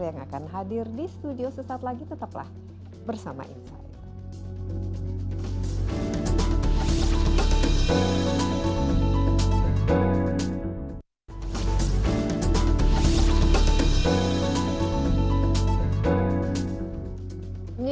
yang akan hadir di studio sesaat lagi tetaplah bersama insight